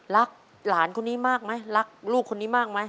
รักหลานคนนี้มากไหมรักลูกคนนี้มากไหม